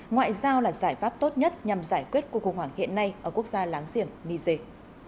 ngoại giao là giải pháp tốt nhất nhằm giải quyết cuộc khủng hoảng hiện nay ở quốc gia láng giềng niger